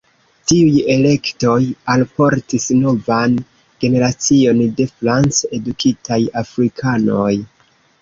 Tiuj elektoj alportis novan generacion de franc-edukitaj afrikanoj.